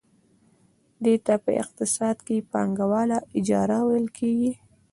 دې ته په اقتصاد کې پانګواله اجاره ویل کېږي